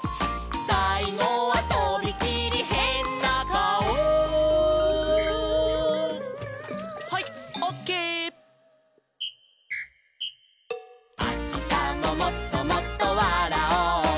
「さいごはとびきりへんなかお」「あしたももっともっとわらおう」